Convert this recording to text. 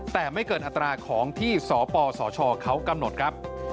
แต่ไม่เกินอัตราของที่สปสชเขากำหนดครับ